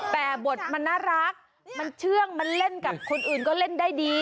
แต่บทมันน่ารักมันเชื่องมันเล่นกับคนอื่นก็เล่นได้ดี